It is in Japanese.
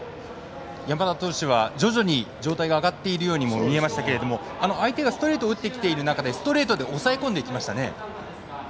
山田投手は徐々に状態が上がっているように見えましたけども相手がストレートを打ってきている中でストレートで押さえ込んでいきましたね。